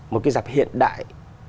một cái giặc hiện đại